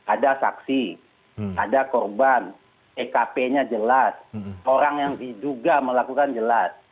ada saksi ada korban ekp nya jelas orang yang diduga melakukan jelas